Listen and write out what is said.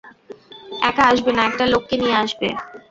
একা আসবে না, একটা লোককে নিয়ে আসবে।